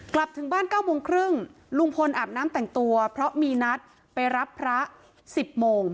กลับถึงบ้าน๙โมงครึ่งลุงพลอาบน้ำแต่งตัวเพราะมีนัดไปรับพระ๑๐โมง